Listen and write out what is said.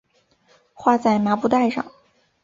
画在麻布袋上